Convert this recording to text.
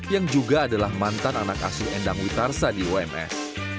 yang juga adalah mantan anak asuh endang witarsa di ums